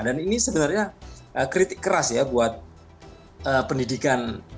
dan ini sebenarnya kritik keras ya buat pendidikan